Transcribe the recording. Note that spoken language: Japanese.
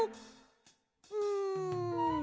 うん。